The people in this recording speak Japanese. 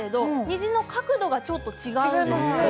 虹の角度がちょっと違います。